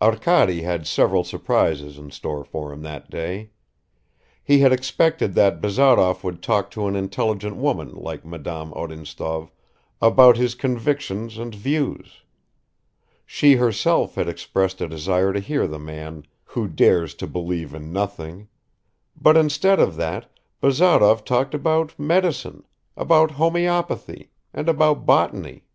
Arkady had several surprises in store for him that day. He had expected that Bazarov would talk to an intelligent woman like Madame Odintsov about his convictions and views; she herself had expressed a desire to hear the man "who dares to believe in nothing," but instead of that Bazarov talked about medicine, about homeopathy and about botany.